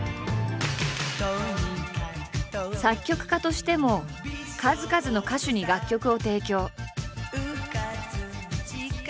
作曲家としても数々の歌手に楽曲を提供。